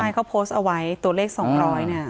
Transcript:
ก็พูดเอาไว้ตัวเลข๒ร้อย